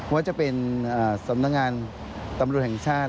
ว่าจะเป็นสำนักงานตำรวจแห่งชาติ